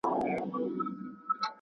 چي پر مځکه به را ولوېږې له پاسه `